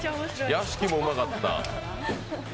屋敷もうまかった。